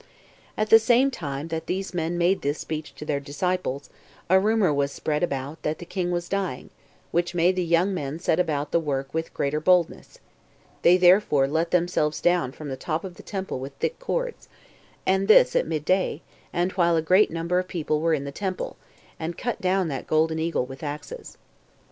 3. At the same time that these men made this speech to their disciples, a rumor was spread abroad that the king was dying, which made the young men set about the work with greater boldness; they therefore let themselves down from the top of the temple with thick cords, and this at midday, and while a great number of people were in the temple, and cut down that golden eagle with axes.